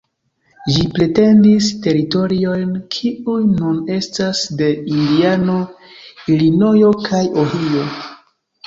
Ĝi pretendis teritoriojn, kiuj nun estas de Indiano, Ilinojo kaj Ohio.